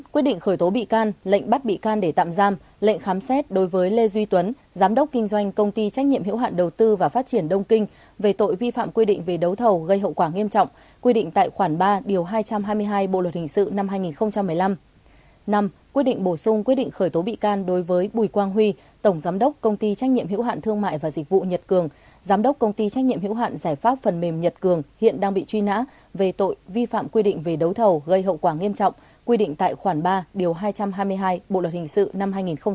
quyết định khởi tố bị can lệnh bắt bị can để tạm giam lệnh khám xét đối với lê duy tuấn giám đốc kinh doanh công ty trách nhiệm hiểu hạn đầu tư và phát triển đông kinh về tội vi phạm quy định về đấu thầu gây hậu quả nghiêm trọng quy định tại khoản ba điều hai trăm hai mươi hai bộ luật hình sự năm hai nghìn một mươi năm